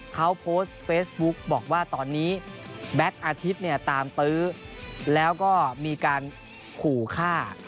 เขาโพสต์เฟซบุ๊กบอกว่าตอนนี้แบ็คอาทิตย์เนี่ยตามตื้อแล้วก็มีการขู่ฆ่า